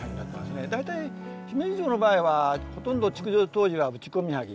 大体姫路城の場合はほとんど築城当時は打ち込みはぎ。